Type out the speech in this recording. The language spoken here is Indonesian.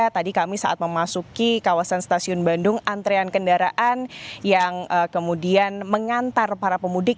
tadi kami saat memasuki kawasan stasiun bandung antrean kendaraan yang kemudian mengantar para pemudik